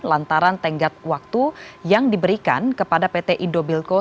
lantaran tenggat waktu yang diberikan kepada pt indobilco